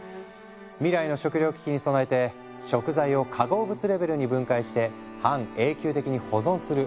未来の食糧危機に備えて食材を化合物レベルに分解して半永久的に保存する。